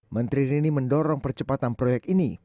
menteri rini mendorong percepatan proyek ini